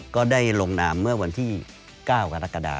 ก็ได้ลงนามเมื่อวันที่๙กรกฎา